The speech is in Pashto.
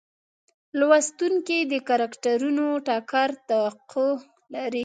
لوستونکي د کرکټرونو ټکر توقع لري.